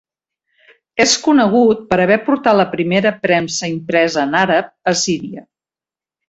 És conegut per haver portat la primera premsa impresa en àrab a Síria.